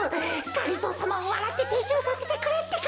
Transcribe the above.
がりぞーさまをわらっててっしゅうさせてくれってか！